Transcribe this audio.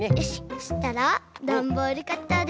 そしたらダンボールカッターで。